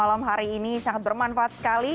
malam hari ini sangat bermanfaat sekali